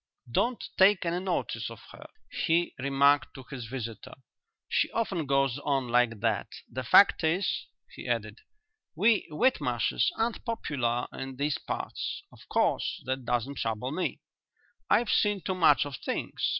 "Don't take any notice of her," he remarked to his visitors, "she often goes on like that. The fact is," he added, "we Whitmarshes aren't popular in these parts. Of course that doesn't trouble me; I've seen too much of things.